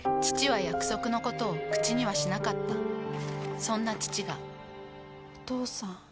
父は約束のことを口にはしなかったそんな父がお父さん。